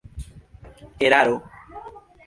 eraro